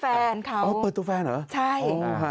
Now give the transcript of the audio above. แฟนเขาใช่ฮ่าครับ